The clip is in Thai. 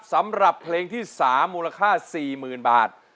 สำหรับเพลงที่๓มูลค่า๔๐๐๐บาท